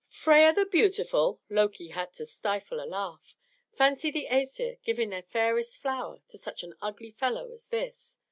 "Freia the beautiful!" Loki had to stifle a laugh. Fancy the Æsir giving their fairest flower to such an ugly fellow as this!